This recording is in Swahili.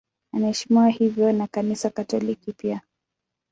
Anaheshimiwa hivyo na Kanisa Katoliki pia.